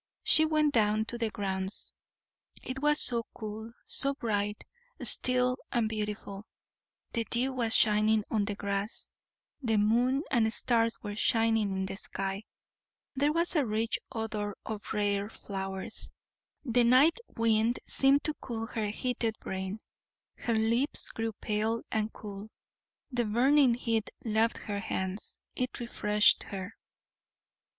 She went down to the grounds, it was so cool, so bright, still, and beautiful; the dew was shining on the grass, the moon and stars were shining in the sky; there was a rich odor of rare flowers; the night wind seemed to cool her heated brain; her lips grew pale and cool; the burning heat left her hands; it refreshed her.